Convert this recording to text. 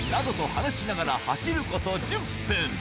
話しながら走ること１０分。